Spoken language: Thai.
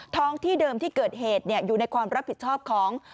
ท้องที่เดิมที่เกิดเหตุอยู่ในความรับผิดชอบของ